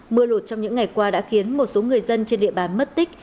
mưa lụt trong những ngày qua đã khiến một số người dân trên địa bàn mất tích